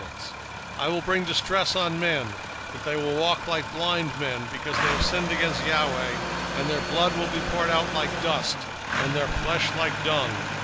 1:17 And I will bring distress upon men, that they shall walk like blind men, because they have sinned against the LORD: and their blood shall be poured out as dust, and their flesh as the dung.